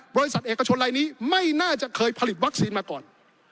บริษัทเอกชนรายนี้ไม่น่าจะเคยผลิตวัคซีนมาก่อน